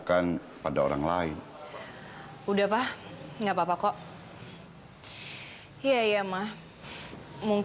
sebagai sahabat terbaik kamu